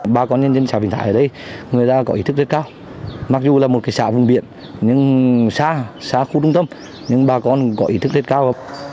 bà con nhân dân xã vĩnh thái ở đây người ta có ý thức rất cao mặc dù là một xã vùng biển nhưng xa xa khu trung tâm nhưng bà con có ý thức rất cao